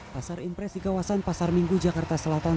pasar impres di kawasan pasar minggu jakarta selatan